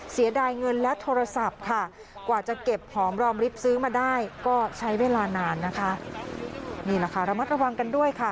เสียดายเงินและโทรศัพท์ค่ะ